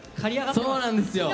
そうなんですよ。